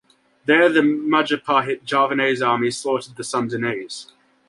There the Majapahit-Javanese army slaughtered the Sundanese.